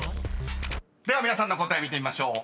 ［では皆さんの答え見てみましょう。